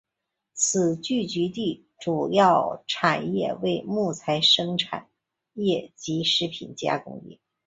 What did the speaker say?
此聚居地主要的产业为木材生产业及食品加工业。